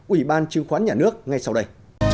ủy ban chứng khoán nhà nước ngay sau đây